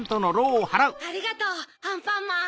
ありがとうアンパンマン。